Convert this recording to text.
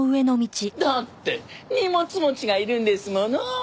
だって荷物持ちがいるんですもの！